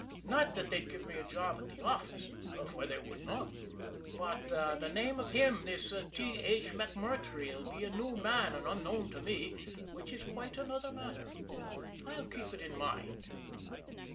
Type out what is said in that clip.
Not that they'd give me a job at the office, for they would not; but by the name of him this T. H. MacMurtrey 'll be a new man and unknown to me, which is quite another matter and I'll keep it in mind."